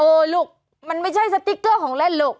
ลูกมันไม่ใช่สติ๊กเกอร์ของเล่นลูก